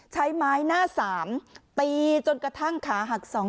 ใช้ไม้หน้าสามตีจนกระทั่งขาหัก๒